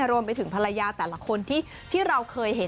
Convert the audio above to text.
รวมไปถึงภรรยาแต่ละคนที่เราเคยเห็น